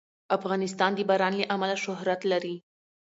افغانستان د باران له امله شهرت لري.